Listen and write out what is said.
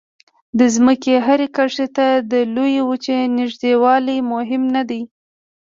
د ځمکې هرې کرښې ته د لویو وچو نږدېوالی مهم نه دی.